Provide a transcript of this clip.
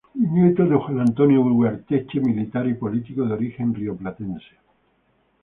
Nieto de Juan Antonio Ugarteche, militar y político de origen rioplatense.